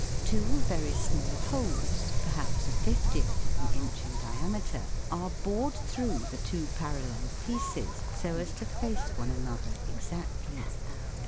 Two very small holes, perhaps a fiftieth of an inch in diameter, are bored through the two parallel pieces so as to face one another exactly.